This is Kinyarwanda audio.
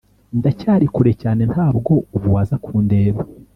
Ndacyari kure cyane ntabwo ubu waza kundeba